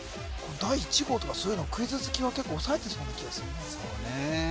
第１号とかそういうのクイズ好きは結構おさえてそうな気がするそうね